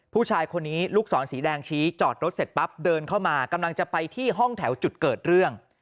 ผู้ชายคนนี้ลูกศรสีแดงชี้จอดรถเสร็จปั๊บเดินเข้ามากำลังจะไปที่ห้องแถวจุดเกิดเรื่อง